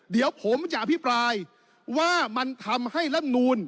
เดี๋ยวผมจะอภิปรายว่ามันทำให้ลำนูล